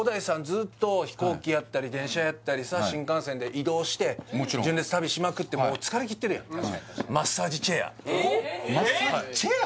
ずっと飛行機やったり電車やったりさ新幹線で移動してもちろん純烈旅しまくってもう疲れきってるやんマッサージチェア？